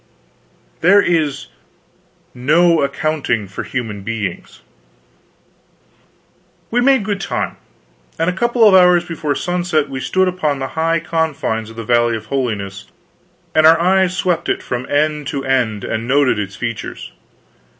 There is no accounting for human beings. We made good time; and a couple of hours before sunset we stood upon the high confines of the Valley of Holiness, and our eyes swept it from end to end and noted its features.